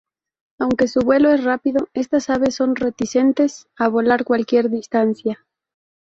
Aunque su vuelo es rápido, estas aves son reticentes a volar cualquier distancia.